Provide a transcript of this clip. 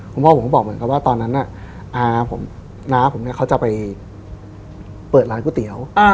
คุณพ่อผมก็บอกเหมือนกันว่าตอนนั้นน้าผมเนี่ยเขาจะไปเปิดร้านก๋วยเตี๋ยว